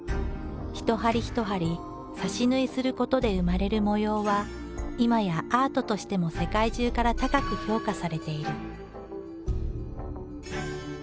一針一針刺し縫いすることで生まれる模様は今やアートとしても世界中から高く評価されている。